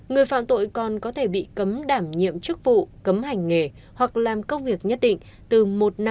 năm người phạm tội còn có thể bị cấm đảm nhiệm chức vụ cấm hành nghề hoặc làm công việc nhất định từ một năm đến năm năm